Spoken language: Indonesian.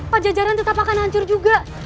pajajaran tetap akan hancur juga